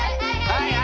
はい。